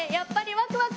ワクワク！